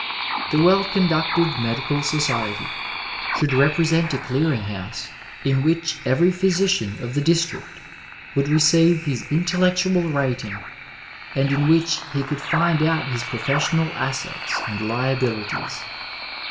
The well conducted medical society should represent a clearing house, in which every physician of the district would receive his intellectual rating, and in which he could find out his professional assets and liabilities.